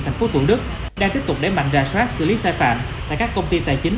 tp thủ đức đang tiếp tục đẩy mạnh rà soát xử lý sai phạm tại các công ty tài chính